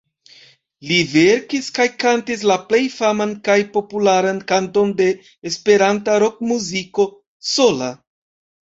Li verkis kaj kantis la plej faman kaj popularan kanton de esperanta rokmuziko: 'Sola'.